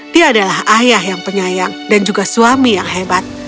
dia adalah ayah yang penyayang dan juga suami yang hebat